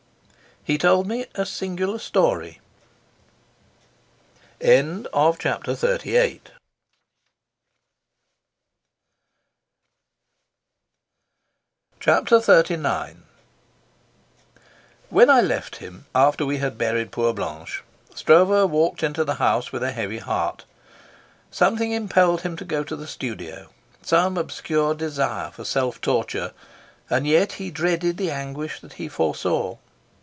He told me a singular story. Chapter XXXIX When I left him, after we had buried poor Blanche, Stroeve walked into the house with a heavy heart. Something impelled him to go to the studio, some obscure desire for self torture, and yet he dreaded the anguish that he foresaw.